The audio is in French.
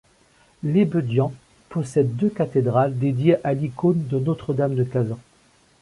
Lebedian possède deux cathédrales, dédiées à l'icône de Notre Dame de Kazan.